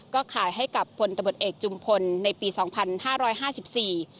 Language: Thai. ก็ขายให้กับพลตำรวจเอกจุมพลในปีสองพันห้าร้อยห้าสิบสี่